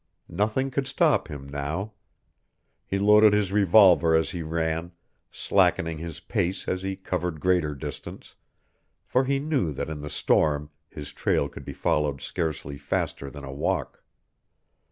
Nothing could stop him now. He loaded his revolver as he ran, slackening his pace as he covered greater distance, for he knew that in the storm his trail could be followed scarcely faster than a walk.